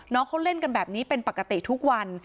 น้องเขาเล่นกันแบบนี้เป็นปกติทุกวัน